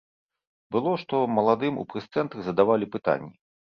Было, што маладым у прэс-цэнтры задавалі пытанні.